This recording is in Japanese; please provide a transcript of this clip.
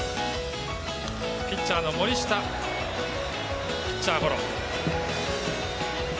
ピッチャーの森下ピッチャーゴロ。